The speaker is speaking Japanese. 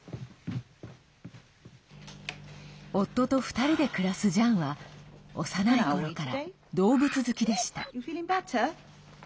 夫と２人で暮らすジャンは幼いころから動物好きでした。